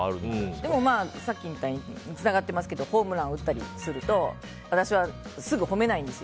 でもさっきみたいにつながってますけどホームラン打ったりすると私はすぐ褒めないんですよ。